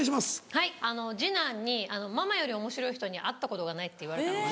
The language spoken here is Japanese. はい次男に「ママよりおもしろい人に会ったことがない」って言われたのが。